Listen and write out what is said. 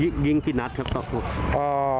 กินตลอดต้อนรถ๑๒